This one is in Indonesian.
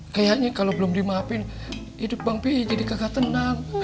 kayaknya kalau belum dimaafin hidup bang pi jadi kakak tenang